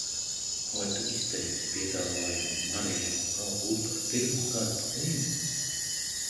Vai tu izteici piedāvājumu Marijai Monro būt par pirmā gada palīdzi?